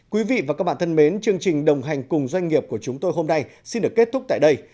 quý vị và các bạn thân mến chương trình đồng hành cùng doanh nghiệp của chúng tôi hôm nay xin được kết thúc tại đây